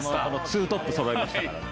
ツートップそろいましたからね。